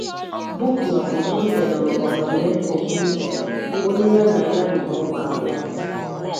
Bucknor-Obruthe lụrụ Onome Obruthe, onye ya na ya nwere ụmụ abụọ.